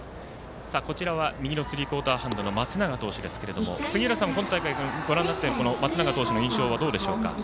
こちらは、右のスリークオーターハンドの松永投手ですが今大会、ご覧になって松永投手の印象はどうでしょうか。